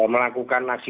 melakukan aksi damai